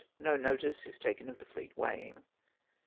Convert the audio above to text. — No notice is taken of the fleet weigh ing.)